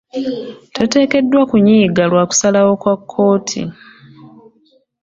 Totekeddwa kunyiiga lwa kusalawo kwa kooti.